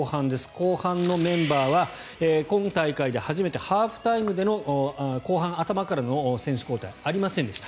後半のメンバーは今大会で初めてハーフタイムでの後半頭からの選手交代はありませんでした。